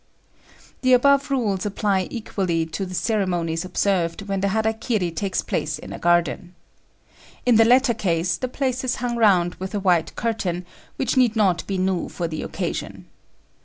The above rules apply equally to the ceremonies observed when the hara kiri takes place in a garden. In the latter case the place is hung round with a white curtain, which need not be new for the occasion.